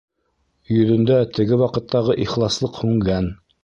Йөҙөндә теге ваҡыттағы ихласлыҡ һүнгән.